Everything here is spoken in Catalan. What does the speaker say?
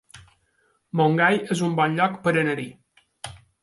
Montgai es un bon lloc per anar-hi